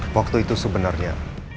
waktu itu sebenarnya